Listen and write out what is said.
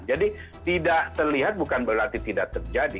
jadi tidak terlihat bukan berarti tidak terjadi